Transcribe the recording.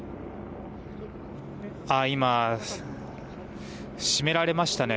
今、閉められましたね。